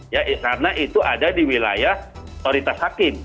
ya karena itu ada di wilayah otoritas hakim